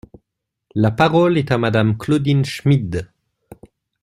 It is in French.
La parole est à Madame Claudine Schmid.